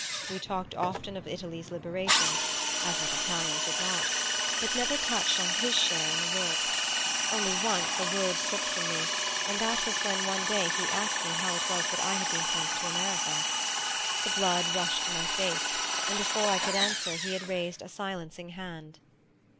We talked often of Italy's liberation as what Italians would not? but never touched on his share in the work. Once only a word slipped from him; and that was when one day he asked me how it was that I had been sent to America. The blood rushed to my face, and before I could answer he had raised a silencing hand.